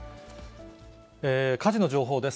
火事の情報です。